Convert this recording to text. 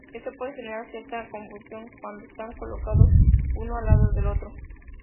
Esto puede generar cierta confusión cuando están colocados uno al lado del otro.